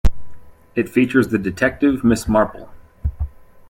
It features the detective Miss Marple.